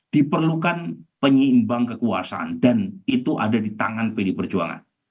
diperlukan penyeimbang kekuasaan dan itu ada di tangan pd perjuangan